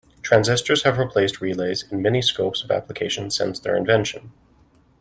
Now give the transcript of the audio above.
Transistors have replaced relays in many scopes of application since their invention.